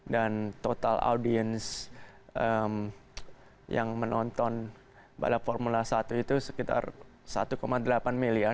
dan total penonton yang menonton balap formula satu itu sekitar satu delapan miliar